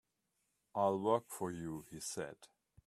"I'll work for you," he said.